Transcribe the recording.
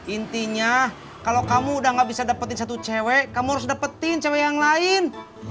intinya kalau kamu udah gak bisa dapetin satu cewek kamu harus dapetin sama yang lain